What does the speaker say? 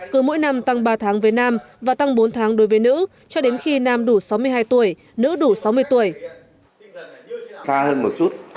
cứ mỗi năm tăng ba tháng với nam và tăng bốn tháng đối với nữ cho đến khi nam đủ sáu mươi hai tuổi nữ đủ sáu mươi tuổi